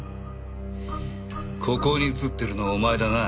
ここに映ってるのはお前だな？